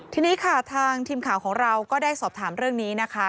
ทีนี้ค่ะทางทีมข่าวของเราก็ได้สอบถามเรื่องนี้นะคะ